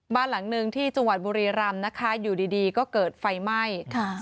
บ้านหลังนึงที่จังหวัดบุรีรำนะคะอยู่ดีก็เกิดไฟไหม้